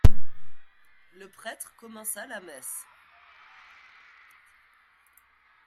Le prêtre commença la messe.